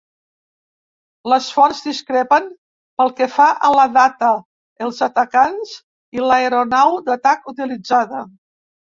Les fonts discrepen pel que fa a la data, els atacants i l'aeronau d'atac utilitzada.